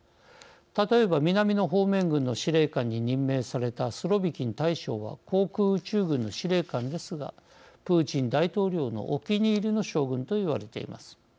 例えば南の方面軍の司令官に任命されたスロビキン大将は航空宇宙軍の司令官ですがプーチン大統領のお気に入りの将軍といわれています。